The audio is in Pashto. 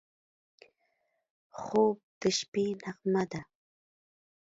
خوب د شپه نغمه ده